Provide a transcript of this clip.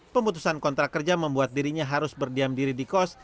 pemutusan kontrak kerja membuat dirinya harus berdiam diri di kos